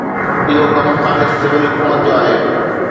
اهو ڪم خالص سول حڪومت جو آهي.